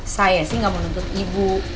saya sih nggak menuntut ibu